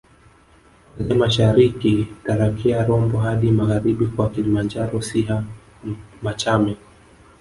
kuanzia mashariki Tarakea Rombo hadi magharibi kwa Kilimanjaro Siha Machame